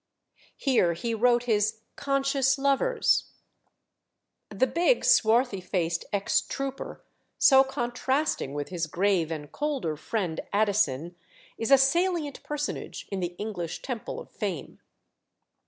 Here he wrote his Conscious Lovers. The big, swarthy faced ex trooper, so contrasting with his grave and colder friend Addison, is a salient personage in the English Temple of Fame.